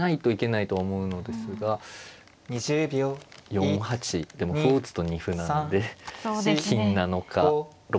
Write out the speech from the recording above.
４八でも歩を打つと二歩なんで金なのか６八歩なのか。